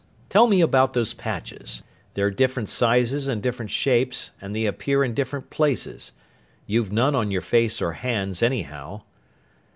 "Tell me about those patches. They're different sizes and different shapes and they appear in different places. You've none on your face or hands, anyhow."